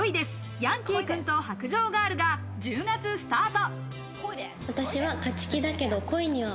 ヤンキー君と白状ガール』が１０月スタート。